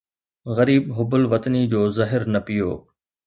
غريب حب الوطني جو زهر نه پيئو